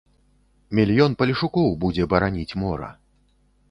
Мільён палешукоў будзе бараніць мора.